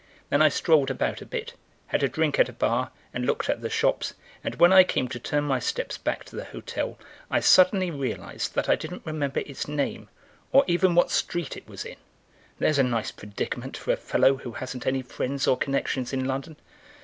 Then I strolled about a bit, had a drink at a bar and looked at the shops, and when I came to turn my steps back to the hotel I suddenly realised that I didn't remember its name or even what street it was in. There's a nice predicament for a fellow who hasn't any friends or connections in London!